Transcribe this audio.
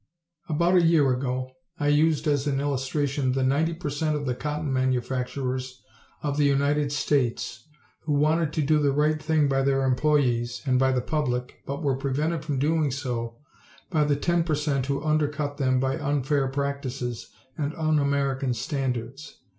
About a year ago I used as an illustration the 90 percent of the cotton manufacturers of the United States who wanted to do the right thing by their employees and by the public but were prevented from doing so by the 10 percent who undercut them by unfair practices and un American standards.